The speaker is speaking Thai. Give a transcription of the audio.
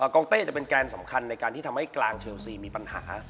กองเต้จะเป็นแกนสำคัญในการที่ทำให้กลางเชลซีมีปัญหา